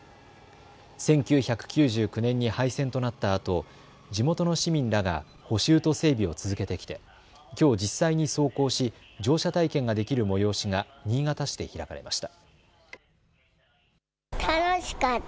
１９９９年に廃線となったあと、地元の市民らが補修と整備を続けてきてきょう実際に走行し乗車体験ができる催しが新潟市で開かれました。